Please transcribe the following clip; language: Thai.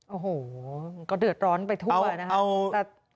โอ้โหก็เดือดร้อนไปทั่วนะครับ